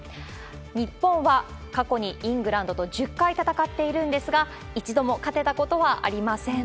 日本は過去にイングランドと１０回戦っているんですが、一度も勝てたことはありません。